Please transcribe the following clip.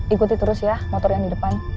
ikuti terus ya motor yang di depan